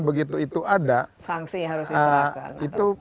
begitu itu ada itu